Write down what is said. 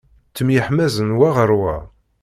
Ttemyeḥmaẓen wa ɣer wa.